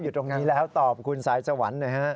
อยู่ตรงนี้แล้วตอบคุณสายสวรรค์หน่อยฮะ